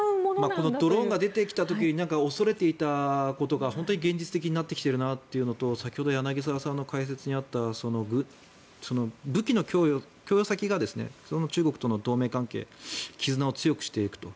このドローンが出てきた時に恐れていたことが本当に現実的になってきているなというのと先ほど、柳澤さんの解説にあった武器の供与先が中国との同盟関係絆を強くしていくと。